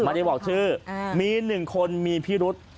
มันได้บอกชื่อมีหนึ่งคนมีพิรุษ